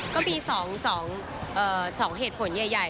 ก็มี๒เหตุผลใหญ่